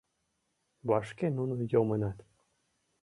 Вашке нуно йомынат.